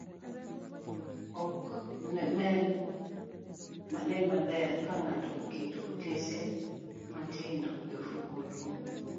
Ok nen maber ka ng'ato oketo otese matindo e ofuko maduong',